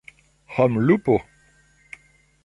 homlupo